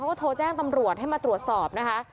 ก็โทรแจ้งตำรวจให้มาตรวจสอบนะคะ